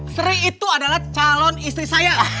sri itu adalah calon istri saya